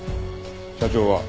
社長は？